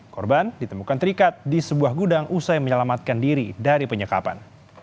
korban ditemukan terikat di sebuah gudang usai menyelamatkan diri dari penyekapan